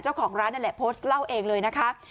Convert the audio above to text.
เจ้าของร้านนั่นแหละโพสต์เล่าเองเลยนะคะ